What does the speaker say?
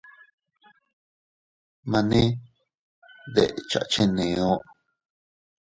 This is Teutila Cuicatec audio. Mane dekcha cheneo.